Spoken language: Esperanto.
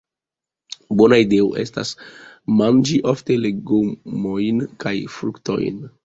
Bona ideo estas manĝi ofte legomojn kaj fruktojn.